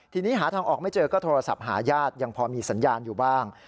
ทีนี้หาทางออกไม่เจอก็โทรศัพท์หาญาติยังพอมีสัญญาณอยู่บ้าง